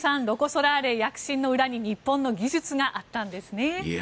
ロコ・ソラーレ躍進の裏に日本の技術があったんですね。